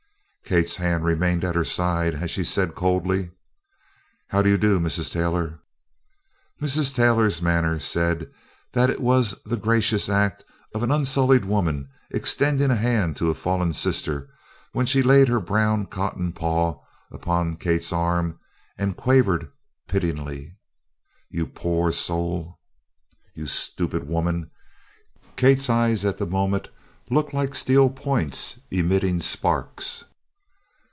Kate's hand remained at her side, as she said coldly: "How do you do, Mrs. Taylor?" Mrs. Taylor's manner said that it was the gracious act of an unsullied woman extending a hand to a fallen sister when she laid her brown cotton paw upon Kate's arm and quavered pityingly: "You po oo or soul!" "You stupid woman!" Kate's eyes at the moment looked like steel points emitting sparks.